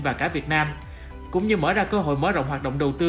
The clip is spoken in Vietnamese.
và cả việt nam cũng như mở ra cơ hội mở rộng hoạt động đầu tư